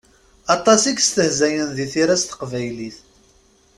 Aṭas i yestehzayen di tira s teqbaylit.